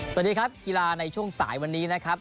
สวัสดีครับกีฬาในช่วงสายวันนี้นะครับ